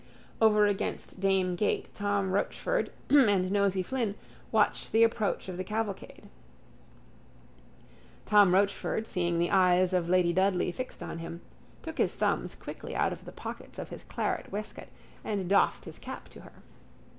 Over against Dame gate Tom Rochford and Nosey Flynn watched the approach of the cavalcade. Tom Rochford, seeing the eyes of lady Dudley fixed on him, took his thumbs quickly out of the pockets of his claret waistcoat and doffed his cap to her.